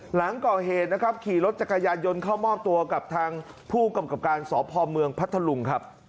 หลังก่อเหตุนะครับขี่รถจักรยานยนต์เข้ามอบตัวกับทางผู้กำกับการสพเมืองพัทธลุงครับ